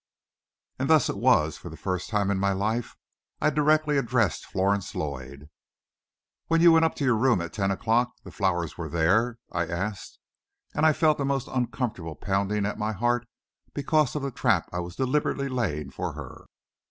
And thus it was, for the first time in my life, I directly addressed Florence Lloyd. "When you went up to your room at ten o'clock, the flowers were there?" I asked, and I felt a most uncomfortable pounding at my heart because of the trap I was deliberately laying for her.